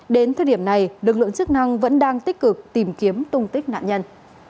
đến thời điểm này lực lượng chức năng vẫn đang tích cực tìm kiếm tung tích nạn nhân